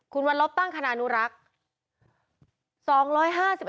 คุณวันลบตั้งคณะอนุรักษ์